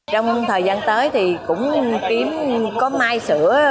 trong thời gian tới thì cũng có mai sữa